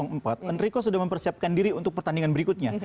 enrico sudah mempersiapkan diri untuk pertandingan berikutnya